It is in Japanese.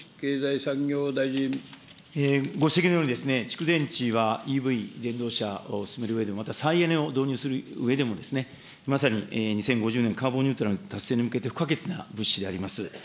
ご指摘のように、蓄電池はＥＶ・電動車を進めるうえでも、また再エネを導入するうえでも、まさに２０５０年カーボンニュートラルの達成に向けて不可欠な物資でございます。